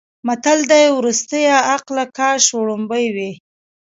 متل دی: ورستیه عقله کاش وړومبی وی.